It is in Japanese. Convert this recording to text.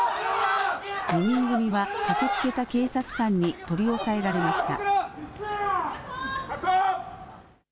２人組は駆けつけた警察官に取り押さえられました。